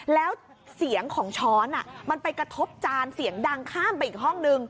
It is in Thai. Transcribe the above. แล้วเสียงของช้อนมันไปกระทบจานเสียงดังข้ามไปอีกห้องนึง